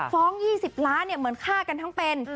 ๒๐ล้านเหมือนฆ่ากันทั้งเป็น